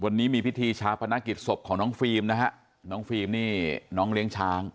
วันนี้มีพิธีชาปนกิจศพของน้องฟิล์มนะฮะน้องฟิล์มนี่น้องเลี้ยงช้าง